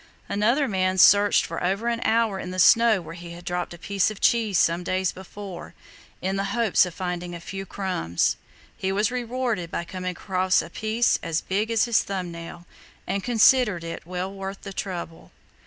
Another man searched for over an hour in the snow where he had dropped a piece of cheese some days before, in the hopes of finding a few crumbs. He was rewarded by coming across a piece as big as his thumb nail, and considered it well worth the trouble.